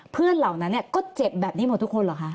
เพื่อนเหล่านั้นเนี่ยก็เจ็บแบบนี้หมดทุกคนเหรอคะ